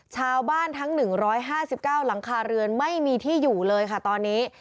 ชาวบ้านทั้ง๑๕๙หลังคาเรือนไม่มีที่อยู่เลยค่ะตอนนี้